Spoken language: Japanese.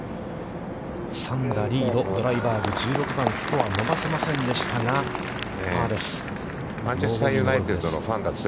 ３打リード、ドライバーグ、１６番、スコアを伸ばせませんでしたが、パーです。